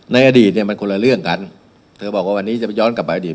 ในอดีตเนี่ยมันคนละเรื่องกันเธอบอกว่าวันนี้จะไปย้อนกลับไปอดีต